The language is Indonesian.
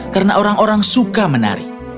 karena orang orang suka menari